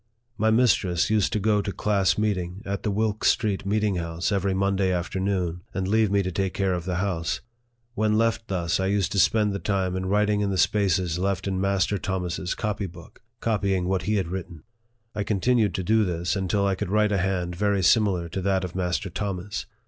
My mistress used to go to class meeting at the Wilk Street meeting house every Monday afternoon, and leave me to take care of the house. When left thus, I used to spend the time in writing in the spaces left in Master Thomas's copy book, copying what he had written. I continued to do this until I could write a hand very similar to that of Master Thomas.